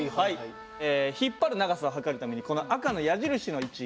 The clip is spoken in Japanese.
引っ張る長さを測るためにこの赤の矢印の位置